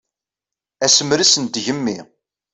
Asemres n tgemmi.